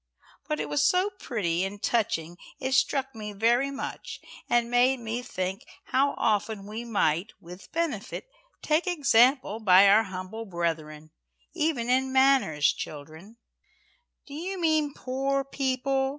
"But it was so pretty and touching, it struck me very much, and made me think how often we might, with benefit, take example by our humble brethren even in manners, children." "Do you mean poor people?"